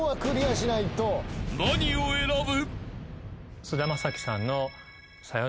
［何を選ぶ？］